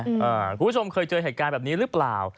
คุณผู้ชมเคยเจอเหตุการณ์แบบนี้หรือเปล่า